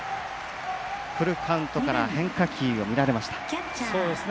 フルカウントから変化球を見られました。